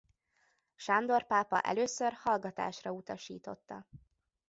Sándor pápa először hallgatásra utasította.